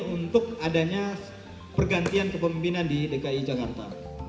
untuk adanya pergantian kepemimpinan di dki jakarta